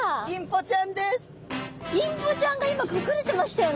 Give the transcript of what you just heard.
ギンポちゃんが今隠れてましたよね。